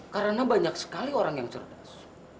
karena banyak sekali orang yang cerdas